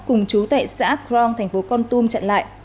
cùng chú tại xã grong thành phố con tum chặn lại